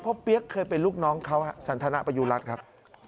เพราะเปี๊ยกเคยเป็นลูกน้องเขาสันธนประยุรัฐครับ